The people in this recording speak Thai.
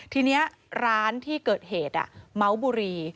ทีนี้ร้านที่เกิดเหตุเมาส์บุรี